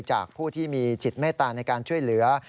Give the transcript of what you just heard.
จากผู้ที่มีจิตเมตตาในการช่วยเหลือ